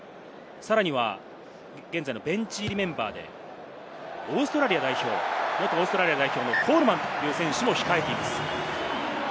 さらには現在のベンチ入りメンバーでオーストラリア代表、元オーストラリア代表のコールマンという選手も控えています。